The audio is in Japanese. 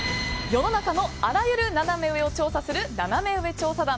世の中のあらゆるナナメ上を調査する、ナナメ上調査団。